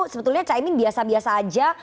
sebetulnya caimin biasa biasa aja